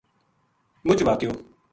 مُچ واقعو